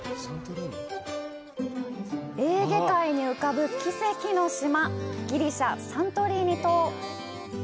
エーゲ海に浮かぶ「奇跡の島」、ギリシャ・サントリーニ島。